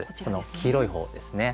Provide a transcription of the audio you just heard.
黄色い方ですね。